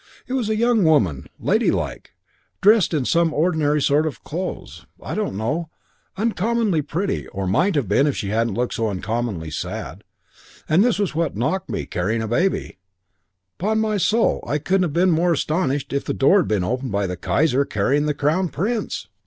"It was a young woman; ladylike, dressed just in some ordinary sort of clothes; I don't know; uncommonly pretty, or might have been if she hadn't looked so uncommonly sad; and this was what knocked me carrying a baby. 'Pon my soul, I couldn't have been more astonished if the door had been opened by the Kaiser carrying the Crown Prince.